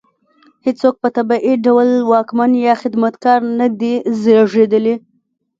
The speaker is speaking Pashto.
هېڅوک په طبیعي ډول واکمن یا خدمتګار نه دی زېږېدلی.